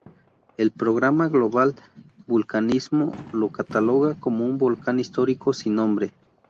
El Programa Global de Vulcanismo lo cataloga como un volcán histórico sin nombre.